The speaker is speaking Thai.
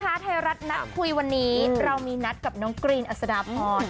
ไทยรัฐนัดคุยวันนี้เรามีนัดกับน้องกรีนอัศดาพร